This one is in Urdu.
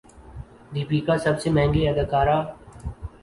دپیکا سب سے مہنگی اداکارہ